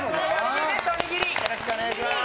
よろしくお願いします！